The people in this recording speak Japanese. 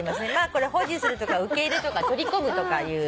これ保持するとか受け入れとか取り込むとかいう。